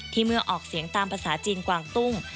เมื่อออกเสียงตามภาษาจีนกวางตุ้ง